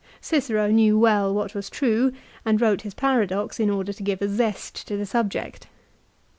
Cicero knew well what was true, and wrote his paradox in order to give a zest to the subject.